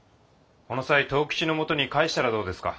この際藤吉のもとに帰したらどうですか？